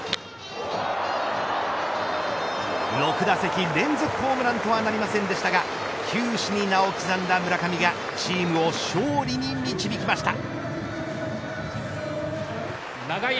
６打席連続ホームランとはなりませんでしたが球史に名を刻んだ村上がチームを勝利に導きました。